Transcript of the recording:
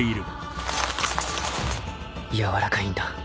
柔らかいんだ。